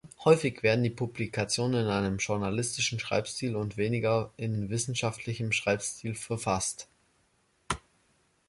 Häufig werden die Publikationen in einem journalistischen Schreibstil und weniger in wissenschaftlichem Schreibstil verfasst.